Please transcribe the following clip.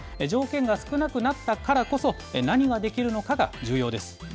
条件が少なくなったからこそ、何ができるのかが重要です。